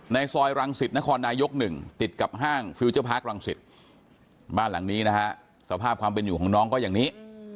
ซอยรังสิตนครนายก๑ติดกับห้างฟิลเจอร์พาร์ครังสิตบ้านหลังนี้นะฮะสภาพความเป็นอยู่ของน้องก็อย่างนี้